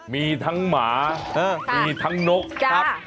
มีทั้งหมามีทั้งนกครับ